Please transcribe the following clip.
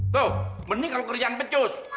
tuh mending kalau kerjaan becus